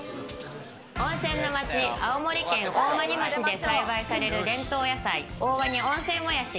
温泉の町、青森県大鰐町で栽培される伝統野菜・大鰐温泉もやし。